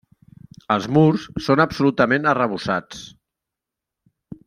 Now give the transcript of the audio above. Els murs són absolutament arrebossats.